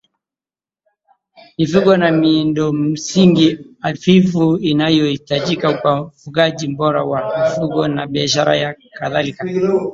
mifugo na miundomsingi hafifu inayohitajika kwa ufugaji bora wa mifugo na biashara yao Kadhalika